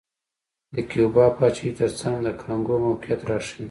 د کیوبا پاچاهۍ ترڅنګ د کانګو موقعیت راښيي.